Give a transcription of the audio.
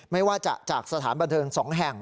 ไม่ว่าจะจากสถานบันเทิง๒แห่ง